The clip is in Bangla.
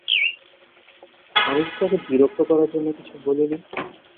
আমি তো তাঁকে বিরক্ত করার জন্যে কিছু বলিনি।